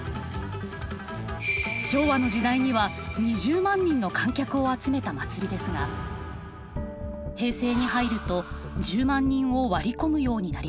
昭和の時代には２０万人の観客を集めた祭りですが平成に入ると１０万人を割り込むようになりました。